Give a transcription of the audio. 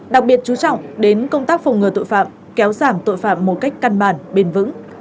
đặc biệt chú trọng đến công tác phòng ngừa tội phạm kéo giảm tội phạm một cách căn bản bền vững